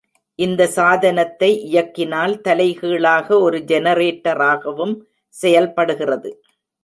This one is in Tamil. இந்த சாதனத்தை இயக்கினால் தலைகீழாக ஒரு ஜெனரேட்டராகவும் செயல்படுகிறது.